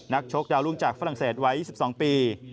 นักชกดาวน์ลุงจากฝรั่งเศสไว้๒๒ปี